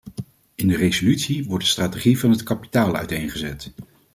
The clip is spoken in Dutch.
In de resolutie wordt de strategie van het kapitaal uiteengezet.